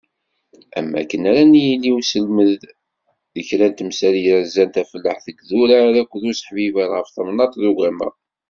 Am wakken ara n-yili uselmed n kra n temsal yerzan tafellaḥt deg yidurar akked useḥbiber ɣef twennaḍt d ugama.